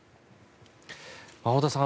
太田さん